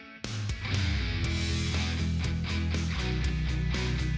jersi yang baru tanggapkan yang gimana pak